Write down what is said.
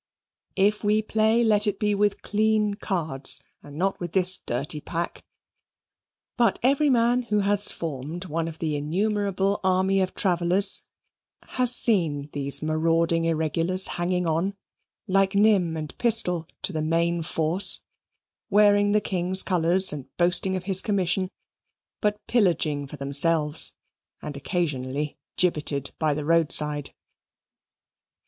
If we play, let it be with clean cards, and not with this dirty pack. But every man who has formed one of the innumerable army of travellers has seen these marauding irregulars hanging on, like Nym and Pistol, to the main force, wearing the king's colours and boasting of his commission, but pillaging for themselves, and occasionally gibbeted by the roadside.